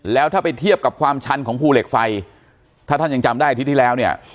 แล้วถ้าไปเทียบกับความชันของภูเหล็กไฟถ้าท่านยังจำได้อาทิตย์ที่แล้วเนี่ย